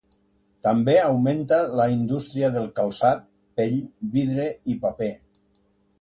També augmentà la indústria del calçat, pell, vidre i paper.